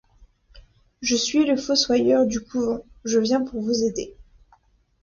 Je suis le fossoyeur du couvent, je viens pour vous aider.